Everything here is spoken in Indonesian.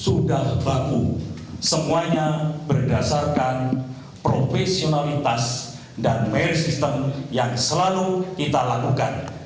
sudah baku semuanya berdasarkan profesionalitas dan merit system yang selalu kita lakukan